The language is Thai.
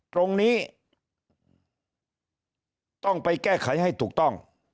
ตรงนี้ต้องไปแก้ไขให้ถูกต้อง